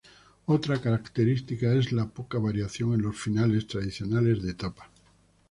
Otra característica es la poca variación en los finales tradicionales de etapa.